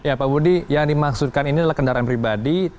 ya pak budi yang dimaksudkan ini adalah kendaraan pribadi